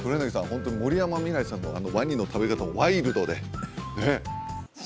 ホント森山未來さんのワニの食べ方もワイルドでね